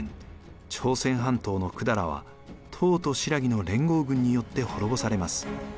朝鮮半島の百済は唐と新羅の連合軍によって滅ぼされます。